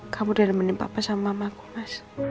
kamu udah nemenin papa sama mamaku mas